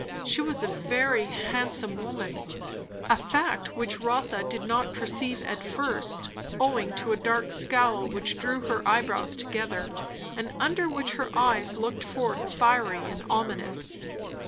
She was a very handsome woman; a fact which Rotha did not perceive at first, owing to a dark scowl which drew her eyebrows together, and under which her eyes looked forth fiery and ominous.